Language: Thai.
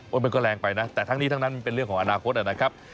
มันก็แรงไปนะแต่ทั้งนี้ทั้งนั้นมันเป็นเรื่องของอนาคตนะครับ